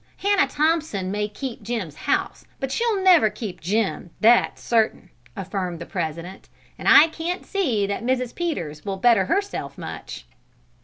"Hannah Thompson may keep Jim's house, but she'll never keep Jim, that's certain!" affirmed the president; "and I can't see that Mrs. Peters will better herself much."